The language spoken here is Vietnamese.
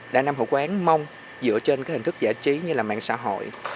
đại nam hội quán mong dựa trên hình thức giải trí như mạng xã hội